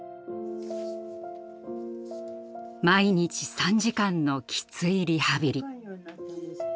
毎日３時間のきついリハビリ。